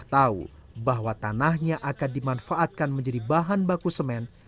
kita tahu bahwa tanahnya akan dimanfaatkan menjadi bahan baku semen